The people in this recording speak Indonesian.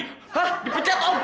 hah dipecat om